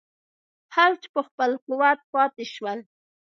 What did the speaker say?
خلج په خپل قوت پاته شول.